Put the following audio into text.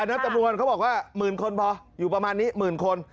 นับจำนวนเขาบอกว่าหมื่นคนพออยู่ประมาณนี้หมื่นคน